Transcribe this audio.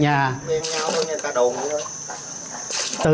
nghe nhau thôi người ta đồn